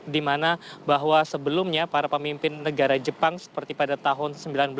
dimana bahwa sebelumnya para pemimpin negara jepang seperti pada tahun seribu sembilan ratus sembilan puluh